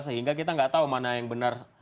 sehingga kita nggak tahu mana yang benar